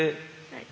はい。